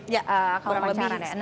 ya kurang lebih